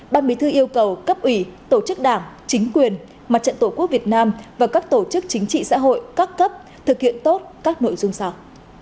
ban bí thư yêu cầu cấp ủy tổ chức đảng chính quyền mặt trận tổ quốc việt nam và các tổ chức chính trị xã hội các cấp thực hiện tốt các nội dung sau